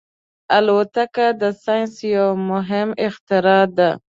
الوتکه د ساینس یو مهم اختراع ده.